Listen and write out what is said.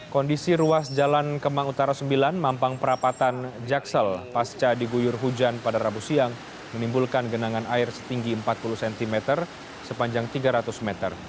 kondisi ruas jalan kemang utara sembilan mampang perapatan jaksel pasca diguyur hujan pada rabu siang menimbulkan genangan air setinggi empat puluh cm sepanjang tiga ratus meter